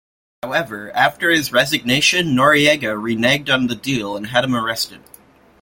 However, after his resignation, Noriega reneged on the deal and had him arrested.